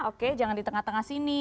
oke jangan di tengah tengah sini